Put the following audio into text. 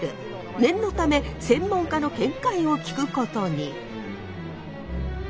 念のため専門家の見解を聞くことに。